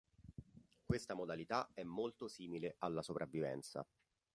Questa modalità è molto simile alla sopravvivenza.